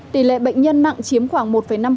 tỷ lệ bệnh nhân nặng chiếm khoảng một năm